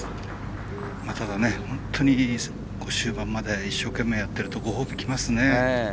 本当に終盤まで一生懸命やってるとご褒美きますね。